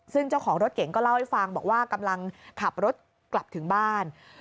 ซึ่งเจ้าของรถเก๋งก็เล่าให้ฟังบอกว่ากำลังขับรถกลับถึงบ้าน